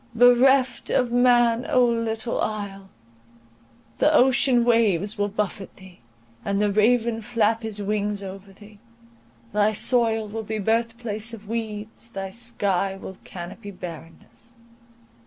Bereft of man, O little isle! the ocean waves will buffet thee, and the raven flap his wings over thee; thy soil will be birth place of weeds, thy sky will canopy barrenness.